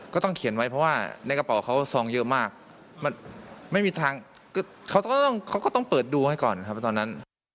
ก็ต้องเขียนไว้เพราะว่าในกระเป๋าเขาซองเยอะมากมันไม่มีทางเขาก็ต้องเปิดดูให้ก่อนครับตอนนั้น